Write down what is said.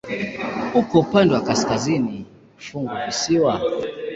Uko upande wa kaskazini wa funguvisiwa.